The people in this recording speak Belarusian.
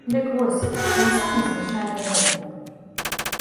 Дык вось, ён самы звычайны гопнік.